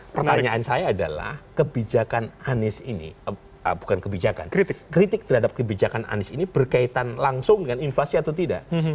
pertanyaan saya adalah kritik terhadap kebijakan anis ini berkaitan langsung dengan inflasi atau tidak